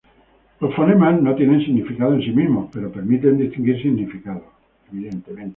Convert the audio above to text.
Los fonemas no tienen significado en sí mismos, pero permiten distinguir significados.